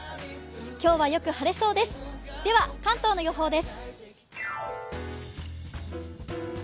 今日はよく晴れそうです。